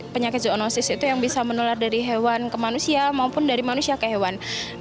penyakit zoonosis itu yang bisa menular dari hewan ke manusia maupun dari manusia ke hewan